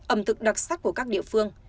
ẩm thực đặc sắc của các địa phương